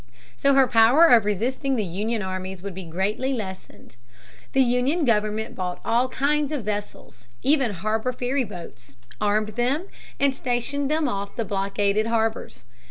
So her power of resisting the Union armies would be greatly lessened. The Union government bought all kinds of vessels, even harbor ferryboats, armed them, and stationed them off the blockaded harbors.